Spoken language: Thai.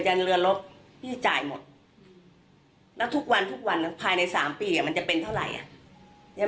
เรือลบพี่จ่ายหมดแล้วทุกวันทุกวันภายใน๓ปีมันจะเป็นเท่าไหร่อ่ะ